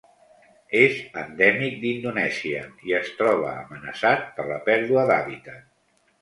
És endèmic d'Indonèsia i es troba amenaçat per la pèrdua d'hàbitat.